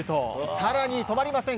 更に止まりません。